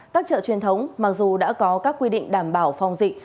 các chợ truyền thống mặc dù đã có các quy định đảm bảo phòng dịch